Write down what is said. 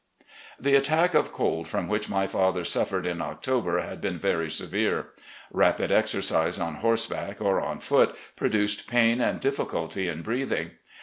The attack of cold from which my father suffered in October had been very severe. Rapid exercise on horse back or on foot produced pain and difficulty in breathing.